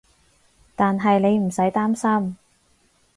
但係你唔使擔心